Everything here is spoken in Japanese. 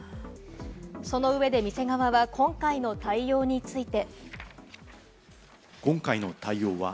その上で店側は今回の対応について。